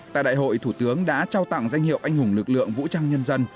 tại đại hội thủ tướng đã trao tặng danh hiệu anh hùng lực lượng vũ trang nhân dân